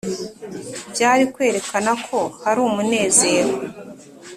byari kwerekana ko hari umunezero.